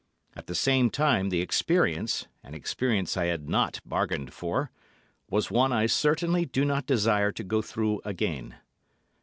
At the same time the experience—an experience I had not bargained for—was one I certainly do not desire to go through again.